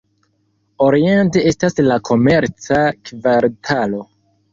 Oriente estas la komerca kvartalo.